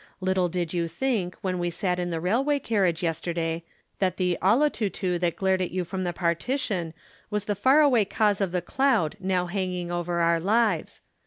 Little did you think when we sat in the railway carriage yesterday, that the "Olotutu" that glared at you from the partition was the far away cause of the cloud now hanging over our lives.